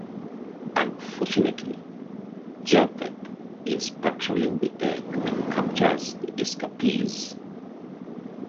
Unfortunately, Japeth is patrolling the deck and captures the escapees.